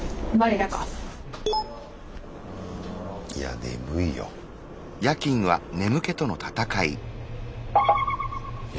いや眠いよ。え？